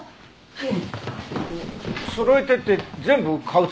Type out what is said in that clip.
はい。